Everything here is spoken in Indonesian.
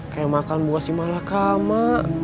kayak makan buah si malakama